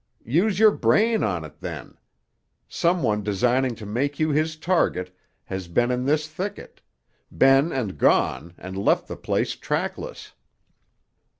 "Use your brain on it, then. Some one designing to make you his target, has been in this thicket; been and gone, and left the place trackless.